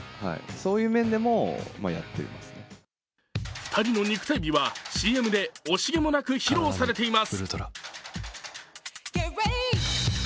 ２人の肉体美はＣＭで惜しげもなく披露されています。